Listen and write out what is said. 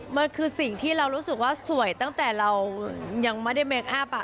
มันคือสิ่งที่เรารู้สึกว่าสวยตั้งแต่เรายังไม่ได้เคคอัพ